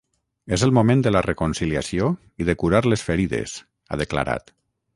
És el moment de la reconciliació i de curar les ferides, ha declarat.